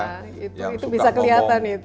itu bisa kelihatan itu